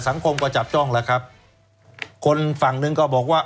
สังคมก็จับจ้องแล้วครับคนฝั่งหนึ่งก็บอกว่า